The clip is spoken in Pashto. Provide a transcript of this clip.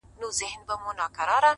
ورته وگورې په مــــــيـــنـــه ـ